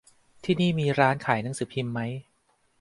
ที่นี่มีร้านขายหนังสือพิมพ์ไหม